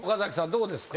どうですか？